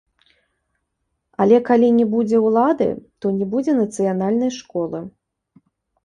Але калі не будзе ўлады, то не будзе нацыянальнай школы.